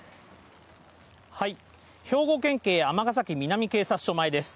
兵庫県警尼崎南警察署前です。